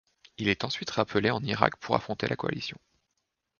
Il est ensuite rappelé en Irak pour affronter la coalition.